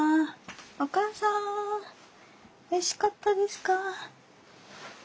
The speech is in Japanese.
お母さんおいしかったですか？